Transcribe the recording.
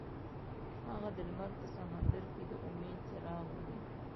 هغه د لمر په سمندر کې د امید څراغ ولید.